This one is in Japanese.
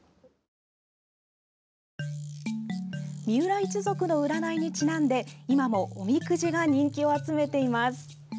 三浦一族の占いにちなんで今も、おみくじが人気を集めています。